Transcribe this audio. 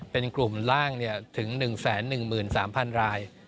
เป็นกลุ่มล่างถึง๑๑๓๐๐๐ราย